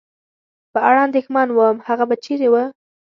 د په اړه اندېښمن ووم، هغه به چېرې و؟